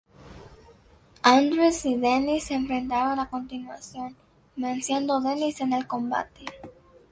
Andrews y Dennis se enfrentaron a continuación, venciendo Dennis en el combate.